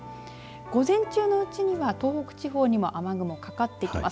午前中のうちには東北地方に雨雲かかってきます。